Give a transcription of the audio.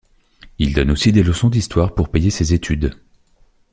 Il donne aussi des leçons d'histoire pour payer ses études.